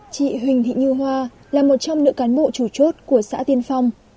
chị huỳnh thị như hoa là một trong nữ cán bộ chủ chốt của xã tiên phong